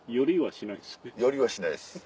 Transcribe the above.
寄りはしないです。